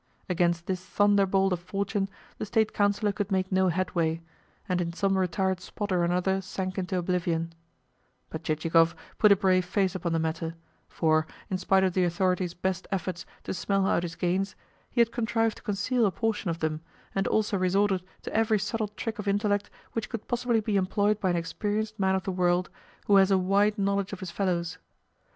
Against this thunderbolt of fortune the State Councillor could make no headway, and in some retired spot or another sank into oblivion; but Chichikov put a brave face upon the matter, for, in spite of the authorities' best efforts to smell out his gains, he had contrived to conceal a portion of them, and also resorted to every subtle trick of intellect which could possibly be employed by an experienced man of the world who has a wide knowledge of his fellows.